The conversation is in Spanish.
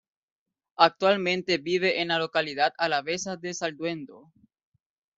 Actualmente vive en la localidad alavesa de Zalduendo.